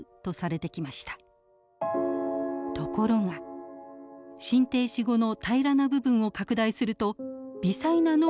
ところが心停止後の平らな部分を拡大すると微細な脳波が見られたのです。